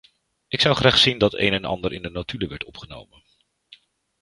Ik zou graag zien dat een en ander in de notulen werd opgenomen.